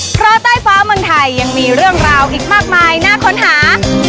เพราะใต้ฟ้าเมืองไทยยังมีเรื่องราวอีกมากมายน่าค้นหา